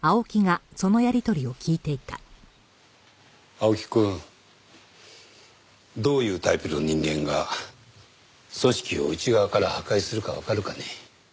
青木くんどういうタイプの人間が組織を内側から破壊するかわかるかね？